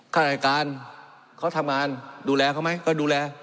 ข้ารายการเขาทำงานดูแลเขาไหมเขาดูแล